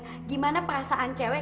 bagaimana perasaan cowok